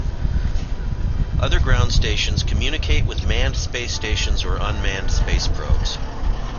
Other ground stations communicate with manned space stations or unmanned space probes.